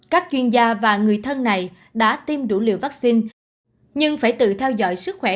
các chuyên gia và người thân này đã tiêm đủ liều vaccine nhưng phải tự theo dõi sức khỏe